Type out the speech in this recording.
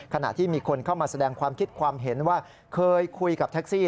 ขณะที่มีคนเข้ามาแสดงความคิดความเห็นว่าเคยคุยกับแท็กซี่